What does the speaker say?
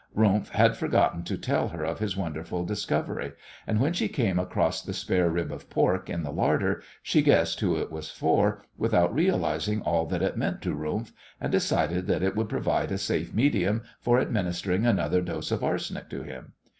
Rumf had forgotten to tell her of his wonderful discovery, and when she came across the spare rib of pork in the larder she guessed who it was for, without realizing all that it meant to Rumf, and decided that it would provide a safe medium for administering another dose of arsenic to him.